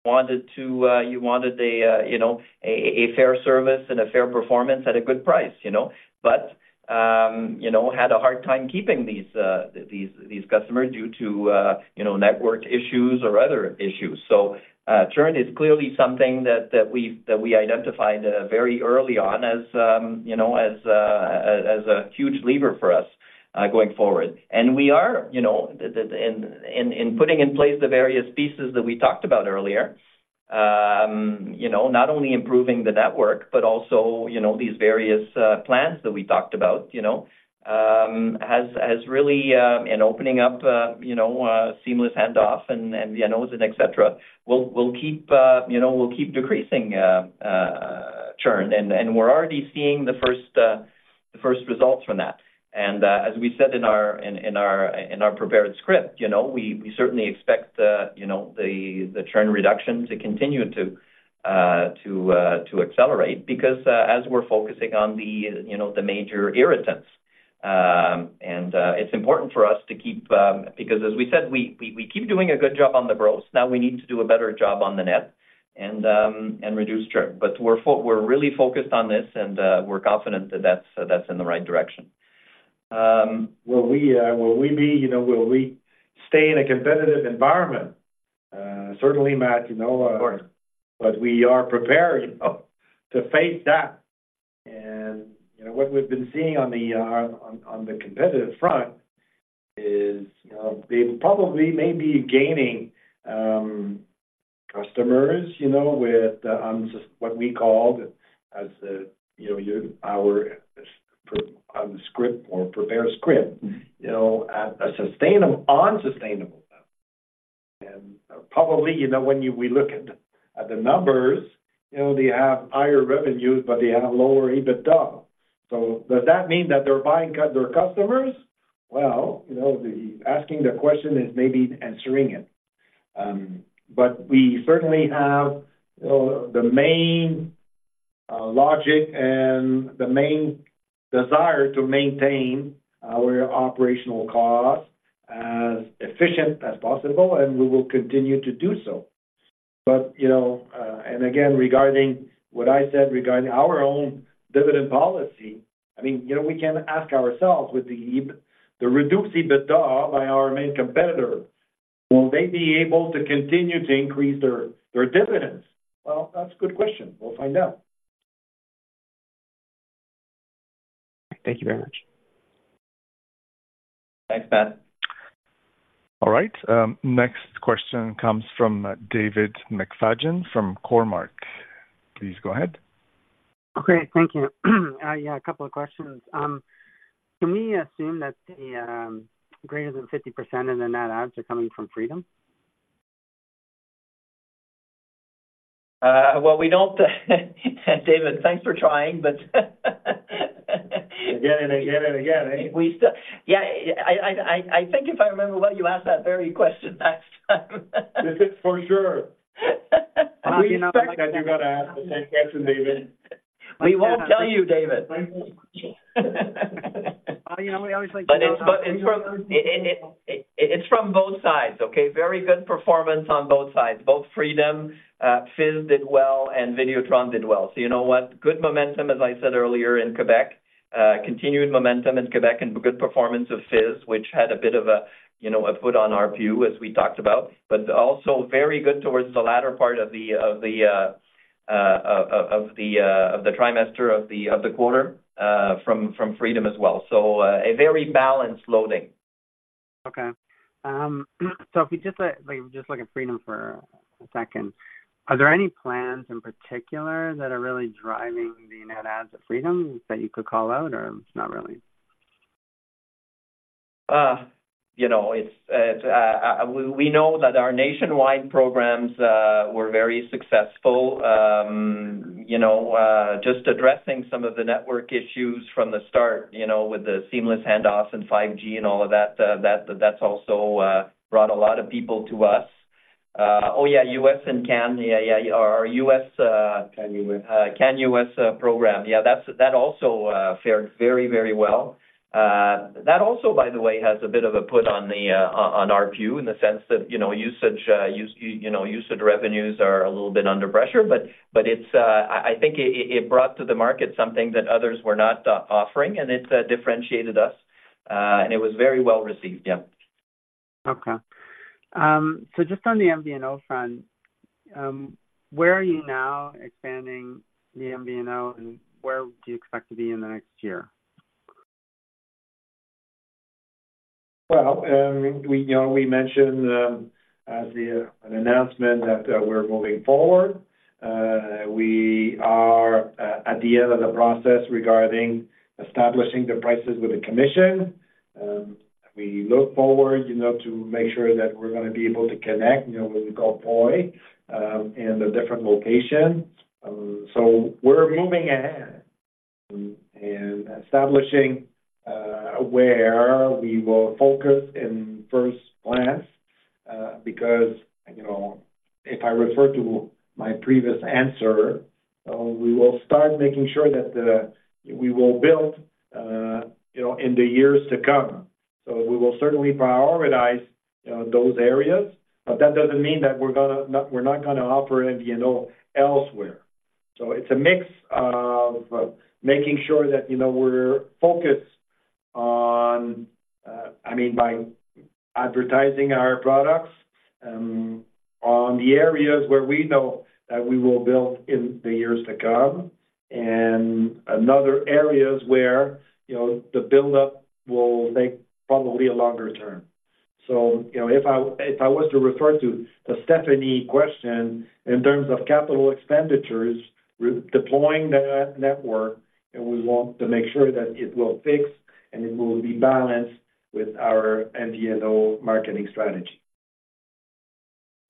wanted to, you wanted a, you know, a fair service and a fair performance at a good price, you know? You know, had a hard time keeping these customers due to, you know, network issues or other issues. Churn is clearly something that we identified very early on as, you know, as a huge lever for us going forward. And we are, you know, putting in place the various pieces that we talked about earlier. You know, not only improving the network, but also, you know, these various plans that we talked about, you know, has really and opening up, you know, Seamless Handoff and the MNOs and et cetera. We'll keep, you know, we'll keep decreasing churn, and we're already seeing the first results from that. As we said in our prepared script, you know, we certainly expect the churn reduction to continue to accelerate because as we're focusing on the major irritants. It's important for us to keep because as we said, we keep doing a good job on the gross. Now we need to do a better job on the net and and reduce churn. But we're really focused on this, and we're confident that that's that's in the right direction. Will we stay in a competitive environment? Certainly, Matt, you know, Of course. But we are prepared, you know, to face that. And, you know, what we've been seeing on the, on the competitive front is, you know, they probably may be gaining, customers, you know, with, what we called, as, you know, our, on the script or prepared script, you know, at a sustainum-unsustainable. And probably, you know, when you, we look at, at the numbers, you know, they have higher revenues, but they have lower EBITDA. So does that mean that they're buying cut their customers? Well, you know, the asking the question is maybe answering it. But we certainly have, the main, logic and the main desire to maintain our operational costs as efficient as possible, and we will continue to do so. But, you know, and again, regarding what I said regarding our own dividend policy, I mean, you know, we can ask ourselves with the EBITDA, the reduced EBITDA by our main competitor, will they be able to continue to increase their dividends? Well, that's a good question. We'll find out. Thank you very much. Thanks, Pat. All right. Next question comes from David McFadgen from Cormark. Please go ahead. Okay. Thank you. A couple of questions. Can we assume that the greater than 50% of the Net Adds are coming from Freedom? Well, we don't. David, thanks for trying. Again and again and again, eh? I think if I remember well, you asked that very question last time. This is for sure. We expect that you're gonna ask the same question, David. We won't tell you, David. You know, we always like It's from both sides. Okay? Very good performance on both sides, both Freedom, Fizz did well, and Videotron did well. So you know what? Good momentum, as I said earlier, in Quebec. Continued momentum in Quebec and good performance of Fizz, which had a bit of a, you know, a foot on our view, as we talked about, but also very good towards the latter part of the quarter, from Freedom as well. So, a very balanced loading. Okay. If we just, like, just look at Freedom for a second. Are there any plans in particular that are really driving the net adds of Freedom that you could call out, or not really? You know, we know that our nationwide programs were very successful. You know, just addressing some of the network issues from the start, you know, with the seamless handoffs and 5G and all of that, that's also brought a lot of people to us. Oh, yeah, US and Canada. Our US. Can US. Canada's program. Yeah, that's that also fared very, very well. That also, by the way, has a bit of a put on the, on, on our view in the sense that, you know, usage, you know, usage revenues are a little bit under pressure. But it's, I think it brought to the market something that others were not offering, and it differentiated us, and it was very well received. Yeah. Okay. Just on the MVNO front, where are you now expanding the MVNO, and where do you expect to be in the next year? Well, you know, we mentioned, as the, an announcement that, we're moving forward. We are at the end of the process regarding establishing the prices with the commission. We look forward, you know, to make sure that we're gonna be able to connect, you know, what we call POI, in the different locations. We're moving ahead and establishing where we will focus in first glance. Because, you know, if I refer to my previous answer, we will start making sure that the, we will build, you know, in the years to come. We will certainly prioritize those areas, but that doesn't mean that we're gonna, not-we're not gonna operate MVNO elsewhere. It's a mix of making sure that, you know, we're focused on, I mean, by advertising our products, on the areas where we know that we will build in the years to come, and another areas where, you know, the buildup will take probably a longer term. You know, if I, if I was to refer to the Stephanie question in terms of capital expenditures, we're deploying the network, and we want to make sure that it will fix and it will be balanced with our MVNO marketing strategy.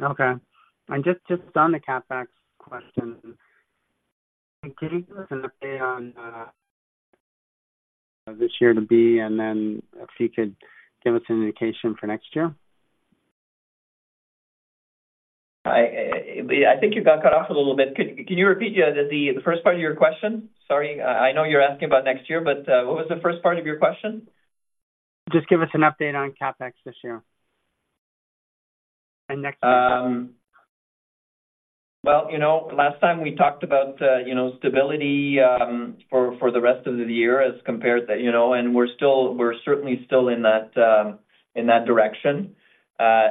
Okay. Just, just on the CapEx question, can you give us an update on this year to be, and then if you could give us an indication for next year? I think you got cut off a little bit. Can you repeat the first part of your question? Sorry, I know you're asking about next year, but what was the first part of your question? Just give us an update on CapEx this year. And next year. Well, you know, last time we talked about, you know, stability for the rest of the year as compared to, you know, and we're still, we're certainly still in that direction.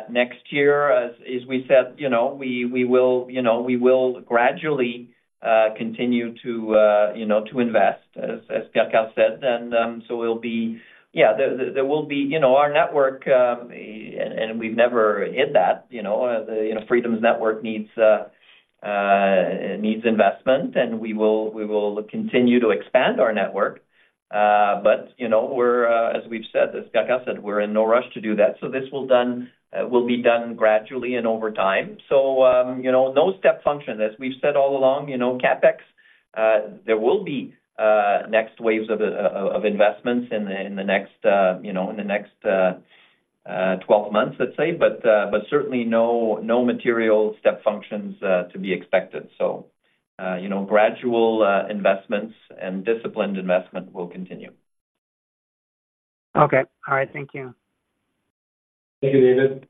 Next year, as we said, you know, we will gradually continue to invest, as Pierre Karl said. There will be, you know, our network, and we've never hid that, you know, Freedom's network needs investment, and we will continue to expand our network. But, you know, as we've said, as Pierre Karl said, we're in no rush to do that. So this will be done gradually and over time. So, you know, no step function. As we've said all along, you know, CapEx, there will be next waves of investments in the next, you know, 12 months, let's say. But, but certainly no, no material step functions to be expected. So, you know, gradual investments and disciplined investment will continue. Okay. All right. Thank you. Thank you, David.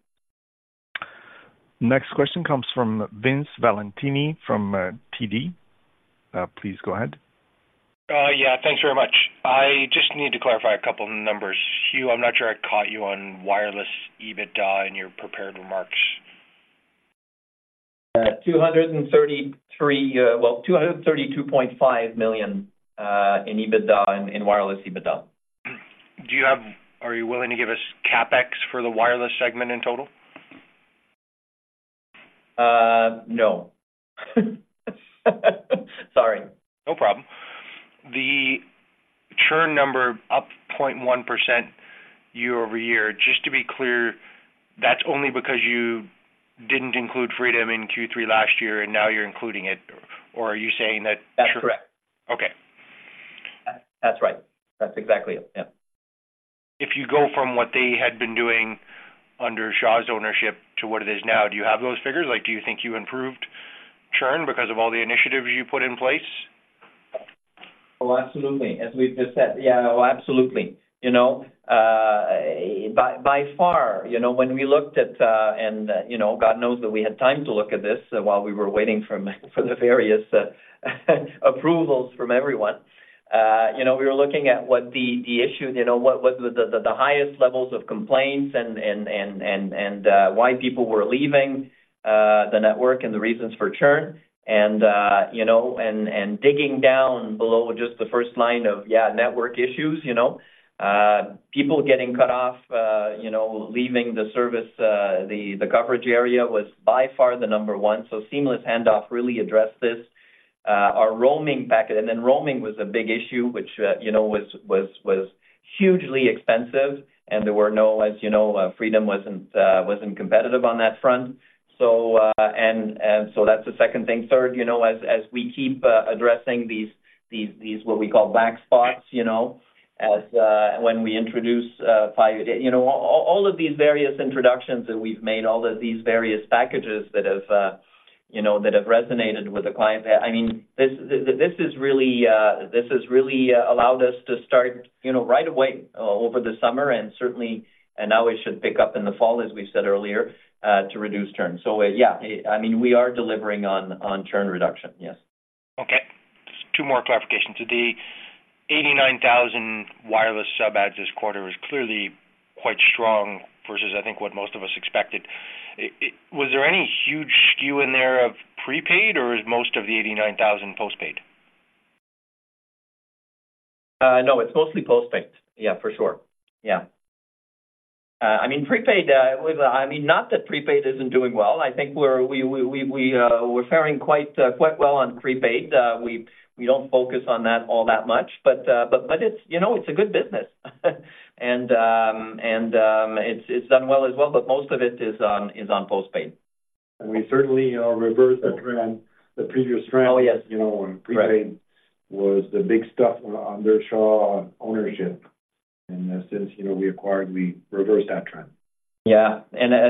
Next question comes from Vince Valentini from, TD. Please go ahead. Yeah, thanks very much. I just need to clarify a couple numbers. Hugues, I'm not sure I caught you on wireless EBITDA in your prepared remarks. 233, well, 232.5 million in EBITDA in wireless EBITDA. Are you willing to give us CapEx for the wireless segment in total? No. Sorry. No problem. The churn number up 0.1% year-over-year, just to be clear, that's only because you didn't include Freedom in Q3 last year, and now you're including it? Or are you saying that- That's correct. Okay. That's right. That's exactly it, yeah. If you go from what they had been doing under Shaw's ownership to what it is now, do you have those figures? Like, do you think you improved churn because of all the initiatives you put in place? Oh, absolutely. As we've just said, yeah. Oh, absolutely. You know, by far, you know, when we looked at, and, you know, God knows that we had time to look at this while we were waiting for the various approvals from everyone. You know, we were looking at what the issue, you know, what the highest levels of complaints and why people were leaving the network and the reasons for churn. You know, digging down below just the first line of network issues, you know, people getting cut off, you know, leaving the service, the coverage area was by far the number one. So Seamless Handoff really addressed this. Our roaming package, and then roaming was a big issue, which, you know, was hugely expensive, and there were no, as you know, Freedom wasn't competitive on that front. That's the second thing. Third, you know, as we keep addressing these what we call black spots, you know, as when we introduce 5G. You know, all of these various introductions that we've made, all of these various packages that have, you know, that have resonated with the client. I mean, this is really, this has really allowed us to start, you know, right away over the summer, and certainly, and now it should pick up in the fall, as we said earlier, to reduce churn. We are delivering on churn reduction, yes. Okay. Just two more clarifications. The 89,000 wireless sub adds this quarter is clearly quite strong versus, I think, what most of us expected. Was there any huge skew in there of prepaid, or is most of the 89,000 postpaid? No, it's mostly postpaid. For sure. Prepaid, with, I mean, not that prepaid isn't doing well. I think we're faring quite well on prepaid. We don't focus on that all that much, but it's, you know, it's a good business. And it's done well as well, but most of it is on postpaid. We certainly reversed the trend, the previous trend- Oh, yes. You know, when prepaid was the big stuff under Shaw ownership, and since, you know, we acquired, we reversed that trend. As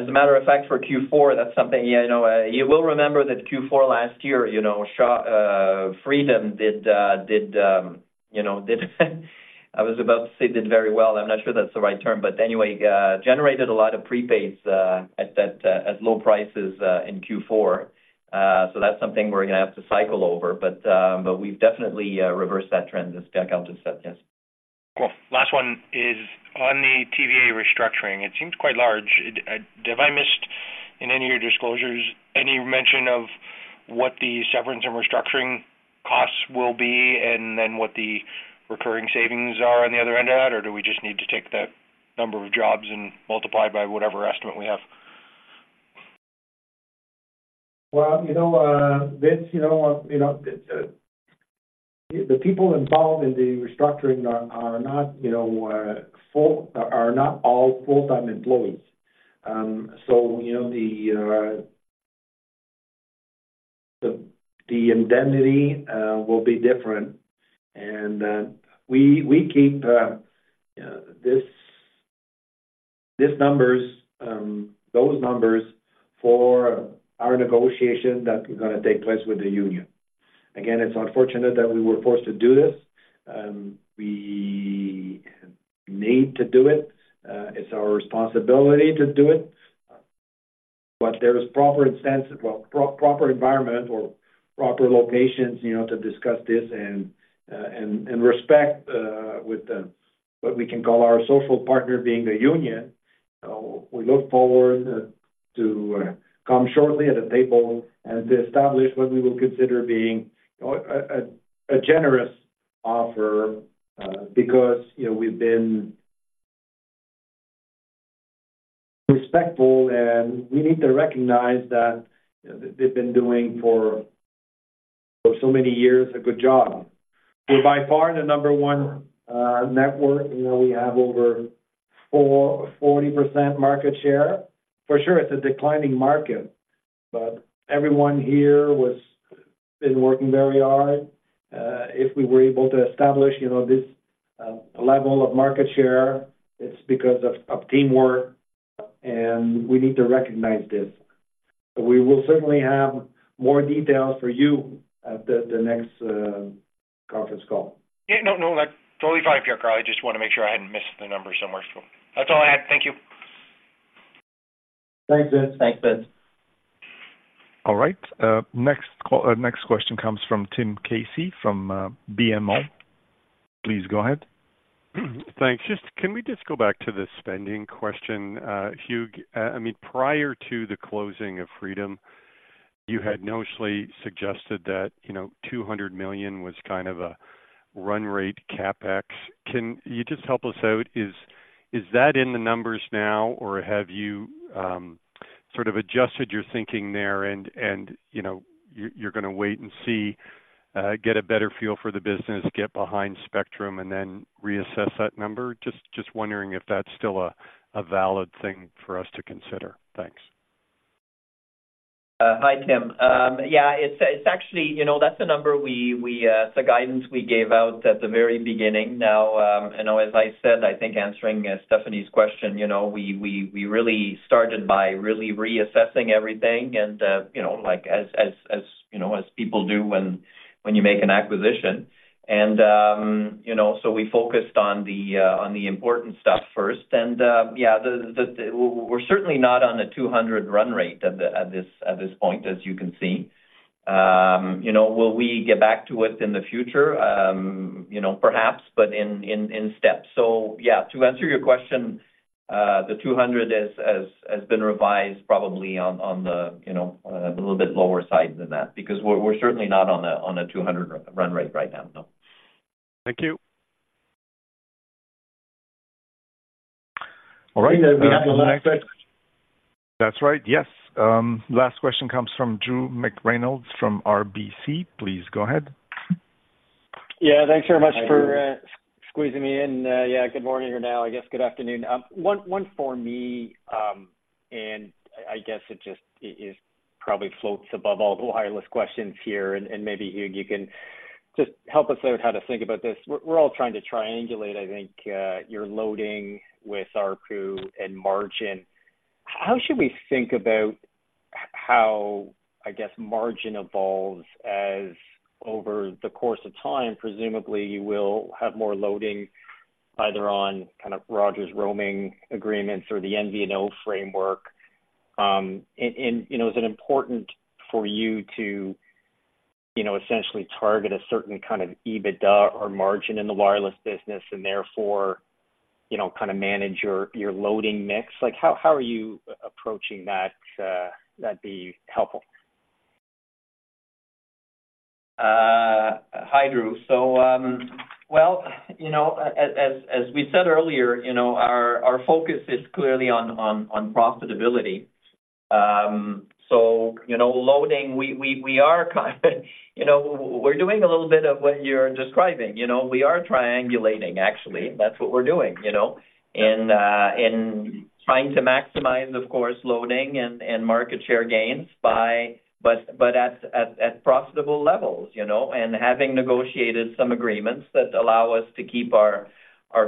a matter of fact, for Q4, that's something, yeah, you know, you will remember that Q4 last year, you know, Shaw Freedom did very well. I'm not sure that's the right term, but anyway, generated a lot of prepaids at low prices in Q4. That's something we're gonna have to cycle over. But we've definitely reversed that trend this back out to step, yes. Cool. Last one is on the TVA restructuring. It seems quite large. It, have I missed in any of your disclosures, any mention of what the severance and restructuring costs will be, and then what the recurring savings are on the other end of that? Or do we just need to take the number of jobs and multiply by whatever estimate we have? Well, you know, Vince, you know, you know, the people involved in the restructuring are not all full-time employees. So, you know, the indemnity will be different. We keep these numbers, those numbers for our negotiation that are gonna take place with the union. Again, it's unfortunate that we were forced to do this. We need to do it. It's our responsibility to do it, but there is proper instance. Well, proper environment or proper locations, you know, to discuss this and respect with what we can call our social partner being the union. We look forward to come shortly at the table and to establish what we will consider being a generous offer, because, you know, we've been respectful, and we need to recognize that, you know, they've been doing for so many years a good job. We're by far the number one network. You know, we have over 40% market share. For sure, it's a declining market, but everyone here has been working very hard. If we were able to establish this level of market share, it's because of teamwork, and we need to recognize this. But we will certainly have more details for you at the next conference call. No, no, that's totally fine, Pierre Karl. I just wanna make sure I hadn't missed the number somewhere, so that's all I had. Thank you. Thanks, Vince. Thanks, Vince. All right, next call, next question comes from Tim Casey from BMO. Please go ahead. Thanks. Can we just go back to the spending question, Hugues? I mean, prior to the closing of Freedom, you had notionally suggested that, you know, 200 million was kind of a run rate CapEx. Can you just help us out? Is that in the numbers now, or have you sort of adjusted your thinking there and, you know, you're gonna wait and see, get a better feel for the business, get behind spectrum, and then reassess that number? Just wondering if that's still a valid thing for us to consider. Thanks. Hi, Tim. Yeah, it's actually, you know, that's the guidance we gave out at the very beginning. Now, you know, as I said, I think answering Stephanie's question, you know, we really started by really reassessing everything and, you know, like, as you know, as people do when you make an acquisition. You know, so we focused on the important stuff first. Yeah, we're certainly not on the 200 run rate at this point, as you can see. You know, will we get back to it in the future? You know, perhaps, but in steps. To answer your question, the 200 has been revised probably on the, you know, on a little bit lower side than that, because we're certainly not on a 200 run rate right now, no. Thank you. All right. We have the last question. That's right. Yes. Last question comes from Drew McReynolds from RBC. Please go ahead. Yeah, thanks very much for- Hi, Drew. For squeezing me in. Yeah, good morning, or now, I guess, good afternoon. One question for me, and I guess it just probably floats above all the wireless questions here, and maybe, Hugues, you can just help us out how to think about this. We're all trying to triangulate, I think, your loading with ARPU and margin. How should we think about how, I guess, margin evolves over the course of time, presumably, you will have more loading either on kind of Rogers' roaming agreements or the MVNO framework? And you know, is it important for you to, you know, essentially target a certain kind of EBITDA or margin in the wireless business and therefore, you know, kind of manage your loading mix? Like, how are you approaching that, that'd be helpful? Hi, Drew. You know, as we said earlier, you know, our focus is clearly on profitability. You know, we are kind of, you know, we're doing a little bit of what you're describing. You know, we are triangulating, actually. That's what we're doing, you know? Trying to maximize, of course, loading and market share gains by... but at profitable levels, you know. And having negotiated some agreements that allow us to keep our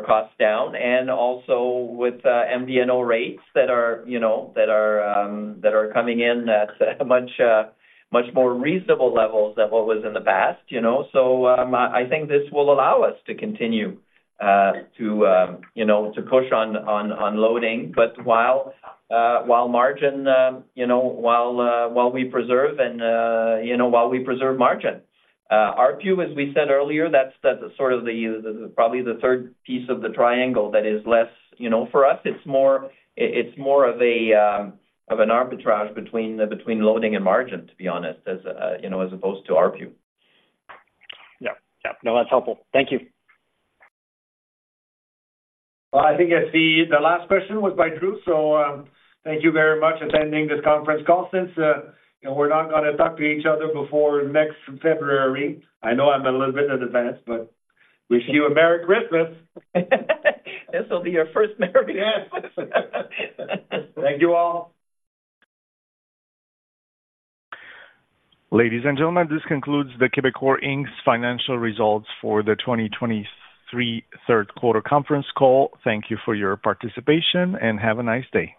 costs down, and also with MVNO rates that are, you know, that are coming in at a much more reasonable levels than what was in the past, you know? I think this will allow us to continue to push on loading, but while margin, you know, while we preserve and, you know, while we preserve margin. ARPU, as we said earlier, that's sort of the, probably the third piece of the triangle that is less, you know, for us, it's more, it's more of a, of an arbitrage between loading and margin, to be honest, as you know, as opposed to ARPU. No, that's helpful. Thank you. Well, I think that's the last question was by Drew, so thank you very much attending this conference call since, and we're not gonna talk to each other before next February. I know I'm a little bit in advance, but wish you a Merry Christmas. This will be your first merry Christmas. Yes. Thank you, all. Ladies and gentlemen, this concludes the Quebecor Inc.'s financial results for the 2023 third quarter conference call. Thank you for your participation, and have a nice day.